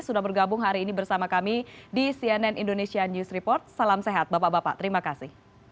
sudah bergabung hari ini bersama kami di cnn indonesia news report salam sehat bapak bapak terima kasih